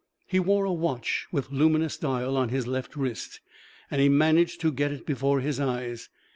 He wore a watch with luminous dial on his left wrist, and he managed to get it before his eyes.